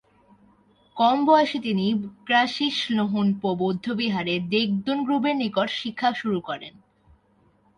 কম বয়সে তিনি ব্ক্রা-শিস-ল্হুন-পো বৌদ্ধবিহারে দ্গে-'দুন-গ্রুবের নিকট শিক্ষা শুরু করেন।